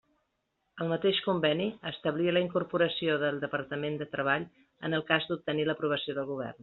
El mateix Conveni establia la incorporació del Departament de Treball en el cas d'obtenir l'aprovació del Govern.